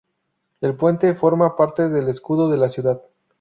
El puente forma parte del escudo de la ciudad.